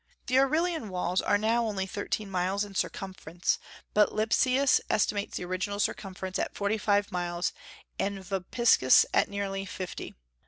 The Aurelian walls are now only thirteen miles in circumference, but Lipsius estimates the original circumference at forty five miles, and Vopiscus at nearly fifty.